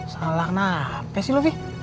salah kenapa sih lovi